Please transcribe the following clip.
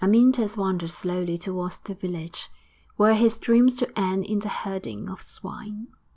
Amyntas wandered slowly towards the village. Were his dreams to end in the herding of swine?